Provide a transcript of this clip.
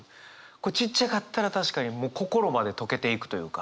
これちっちゃかったら確かにもう心まで溶けていくというか。